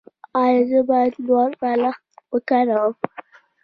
ایا زه باید لوړ بالښت وکاروم؟